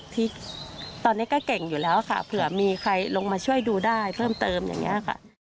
ที่ตอนนี้ก็เก่งอยู่แล้วค่ะเผื่อมีใครลงมาช่วยดูได้เพิ่มเติมอย่างนี้ค่ะ